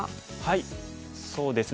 そうですね